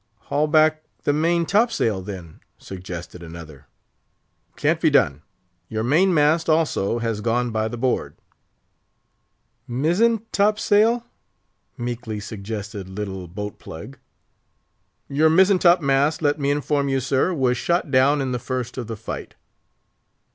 "Haul back the main top sail, then," suggested another. "Can't be done; your main mast, also, has gone by the board!" "Mizzen top sail?" meekly suggested little Boat Plug. "Your mizzen top mast, let me inform you, sir, was shot down in the first of the fight!"